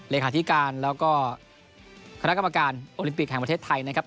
เลขาธิการแล้วก็คณะกรรมการโอลิมปิกแห่งประเทศไทยนะครับ